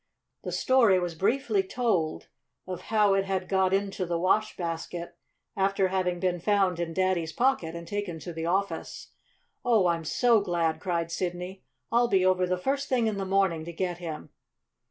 The story was briefly told of how it had got into the wash basket after having been found in Daddy's pocket and taken to the office. "Oh, I'm so glad!" cried Sidney. "I'll be over the first thing in the morning to get him."